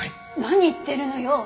何言ってるのよ？